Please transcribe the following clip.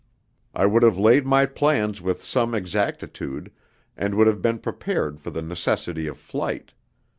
I would have laid my plans with some exactitude, and would have been prepared for the necessity of flight.